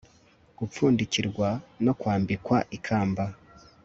Gipfundikirwa no kwambikwa ikamba